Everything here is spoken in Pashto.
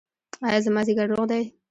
ایا زما ځیګر روغ دی؟